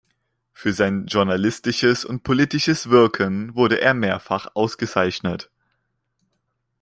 Für sein journalistisches und politisches Wirken wurde er mehrfach ausgezeichnet.